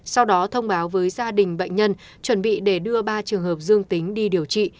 sau đó thông báo với gia đình bệnh nhân chuẩn bị để đưa ba trường hợp dương tính đi điều trị